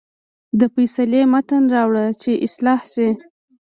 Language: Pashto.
د فیصلې متن راوړه چې اصلاح شي.